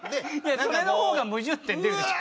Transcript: それの方が矛盾点出るでしょ。